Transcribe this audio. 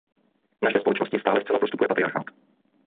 Naše společnosti stále zcela prostupuje patriarchát.